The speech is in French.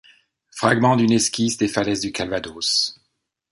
Fragment d'une esquisse des falaises du Calvados.